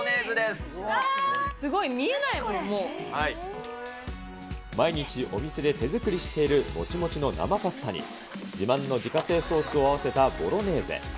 すごい、見えないもん、毎日お店で手作りしているもちもちの生パスタに、自慢の自家製ソースを合わせたボロネーゼ。